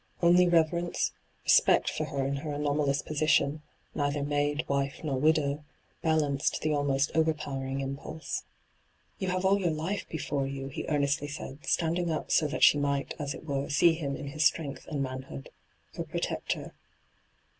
Only reverence, respect for her in her anomalous position — neither maid, wife, nor widow — balanced the almost overpowering impulse. ' You have all your life before you,' he earnestly said, standing up so that she might, as it were, see him in his strength and man hood — her protector.